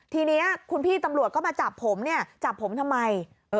ทีนี้คุณพี่ตำรวจก็มาจับผมเนี่ยจับผมทำไม